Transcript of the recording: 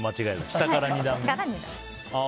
下から２段目。